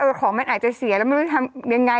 เออของมันอาจจะเสียแล้วมันทำยังไง